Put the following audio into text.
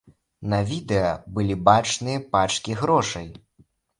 На відэа былі бачныя пачкі грошай.